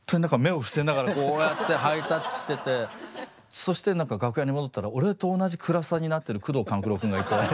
そして楽屋に戻ったら俺と同じ暗さになってる宮藤官九郎君がいて。